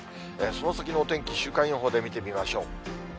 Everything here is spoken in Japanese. その先のお天気、週間予報で見てみましょう。